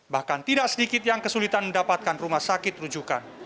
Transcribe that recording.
bahkan tidak sedikit yang kesulitan mendapatkan rumah sakit rujukan